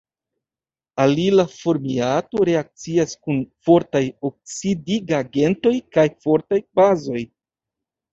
Alila formiato reakcias kun fortaj oksidigagentoj kaj fortaj bazoj.